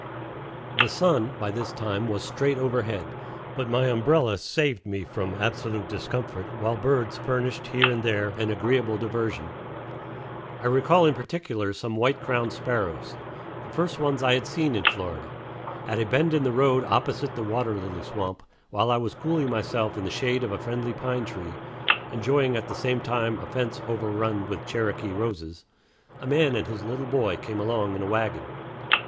The sun by this time was straight overhead, but my umbrella saved me from absolute discomfort, while birds furnished here and there an agreeable diversion. I recall in particular some white crowned sparrows, the first ones I had seen in Florida. At a bend in the road opposite the water lily swamp, while I was cooling myself in the shade of a friendly pine tree, enjoying at the same time a fence overrun with Cherokee roses, a man and his little boy came along in a wagon.